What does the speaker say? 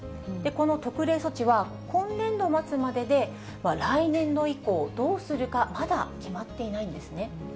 この特例措置は、今年度末までで来年度以降、どうするかまだ決まっていないんですね。